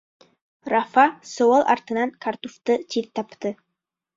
Рафа сыуал артынан картуфты тиҙ тапты.